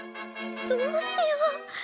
どうしよう。